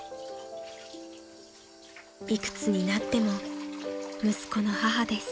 ［幾つになっても息子の母です］